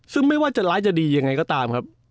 ซึ่งไม่ว่าจะร้ายจะดียังไงก็ตามครับ